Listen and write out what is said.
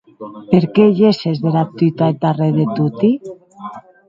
Per qué gesses dera tuta eth darrèr de toti?